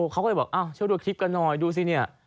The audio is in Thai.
เขาก็เลยบอกช่วยดูคลิปกันหน่อยดูสิเนี่ย